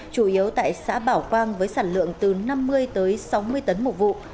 chủ yếu tại xã bảo quang với sản lượng từ năm mươi tới sáu mươi tấn một vụ